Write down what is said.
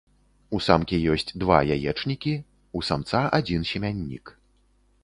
У самкі ёсць два яечнікі, у самца адзін семяннік.